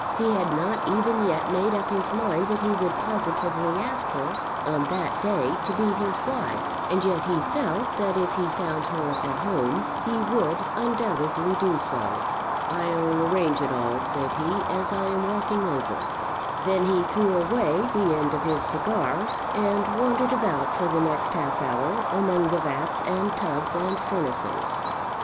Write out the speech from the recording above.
He had not even yet made up his mind that he would positively ask her on that day to be his wife, and yet he felt that if he found her at home he would undoubtedly do so. "I'll arrange it all," said he, "as I'm walking over." Then he threw away the end of his cigar, and wandered about for the next half hour among the vats and tubs and furnaces.